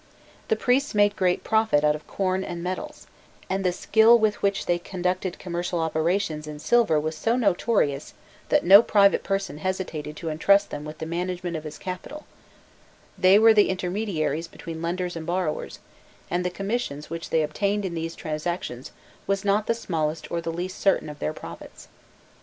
The priests made great profit out of corn and metals, and the skill with which they conducted commercial operations in silver was so notorious that no private person hesitated to entrust them with the management of his capital: they were the intermediaries between lenders and borrowers, and the commissions which they obtained in these transactions was not the smallest or the least certain of their profits.